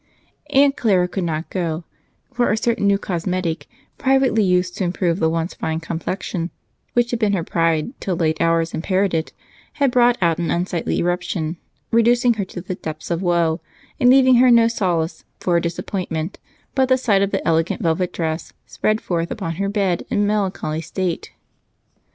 Aunt Clara could not go, for a certain new cosmetic, privately used to improve the once fine complexion, which had been her pride till late hours impaired it, had brought out an unsightly eruption, reducing her to the depths of woe and leaving her no solace for her disappointment but the sight of the elegant velvet dress spread forth upon her bed in melancholy state.